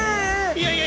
いやいや。